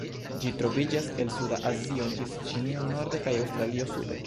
Ĝi troviĝas el suda Azio, ĝis Ĉinio norde kaj Aŭstralio sude.